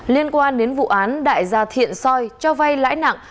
liên quan đến vụ án đại gia thiện soi cho vay lãi nặng